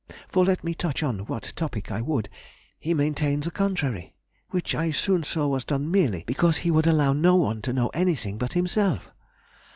For let me touch on what topic I would, he maintained the contrary, which I soon saw was done merely because he would allow no one to know anything but himself....